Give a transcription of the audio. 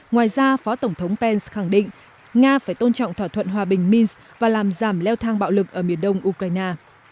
ngoài ra phó tổng thống pence khẳng định nga phải tôn trọng thỏa thuận hòa bình minsk và làm giảm leo thang bạo lực ở miền đông ukraine